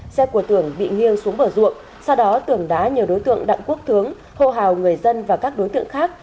xe của tưởng bị nghiêng xuống bờ ruộng sau đó tưởng đã nhờ đối tượng đặng quốc tướng hô hào người dân và các đối tượng khác